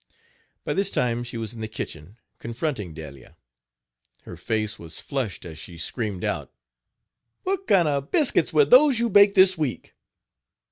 By this time she was in the kitchen, confronting Delia. Her face was flushed as she screamed out: "What kind of biscuits were those you baked this week?"